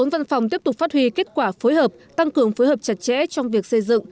bốn văn phòng tiếp tục phát huy kết quả phối hợp tăng cường phối hợp chặt chẽ trong việc xây dựng